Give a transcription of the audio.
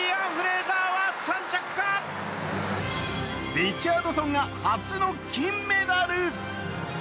リチャードソンが初の金メダル。